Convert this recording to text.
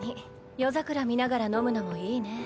夜桜見ながら飲むのもいいね。